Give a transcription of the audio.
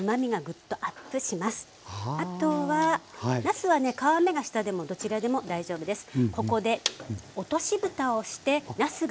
あとはなすはね皮目が下でもどちらでも大丈夫です。